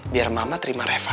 biar mama terima reva